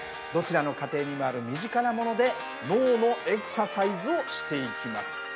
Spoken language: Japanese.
どちらの家庭にもある身近なもので脳のエクササイズをしていきます。